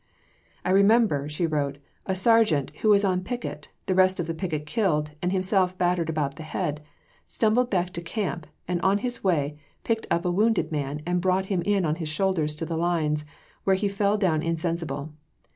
"I remember," she wrote, "a sergeant, who was on picket, the rest of the picket killed, and himself battered about the head, stumbled back to camp, and on his way picked up a wounded man, and brought him in on his shoulders to the lines, where he fell down insensible.